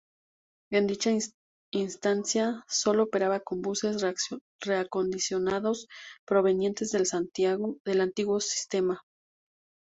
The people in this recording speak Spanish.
En dicha instancia solo operaba con buses reacondicionados provenientes del antiguo sistema.